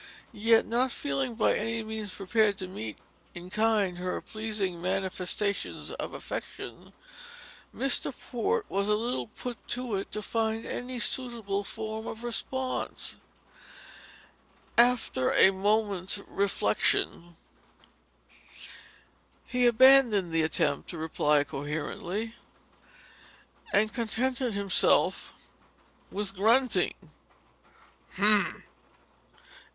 Yet not feeling by any means prepared to meet in kind her pleasing manifestation of affection, Mr. Port was a little put to it to find any suitable form of response. After a moment's reflection he abandoned the attempt to reply coherently, and contented himself with grunting.